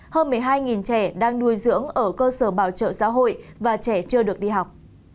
hơn một mươi hai trẻ đang nuôi dưỡng ở cơ sở bảo trợ xã hội và trẻ chưa được đi học